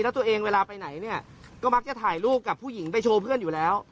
แล้วตัวเองเวลาไปไหนเนี่ยก็มักจะถ่ายรูปกับผู้หญิงไปโชว์เพื่อนอยู่แล้ว